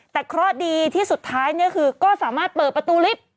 แต่เคราะห์ดีที่สุดท้ายเนี่ยคือก็สามารถเปิดประตูลิฟท์